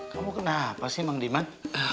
kamu kenapa sih bang diman